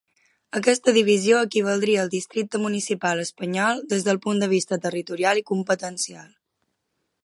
Aquesta divisió equivaldria al districte municipal espanyol des del punt de vista territorial i competencial.